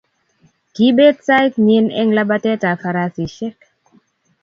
Kiibet sait nenyi eng labatet tab farasishek---